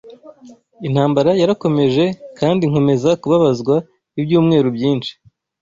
Intambara yarakomeje, kandi nkomeza kubabazwa ibyumweru byinshi